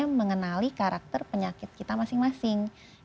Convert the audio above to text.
kita mengenali karakter penyakit kita masing masing